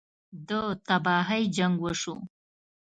ده تباهۍ جـنګ وشو.